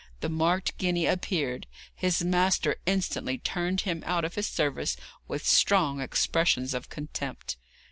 The marked guinea appeared. His master instantly turned him out of his service, with strong expressions of contempt.